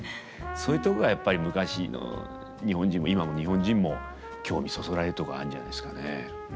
そういうとこがやっぱり昔の日本人も今の日本人も興味そそられるとこがあるんじゃないですかね。